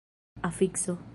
afikso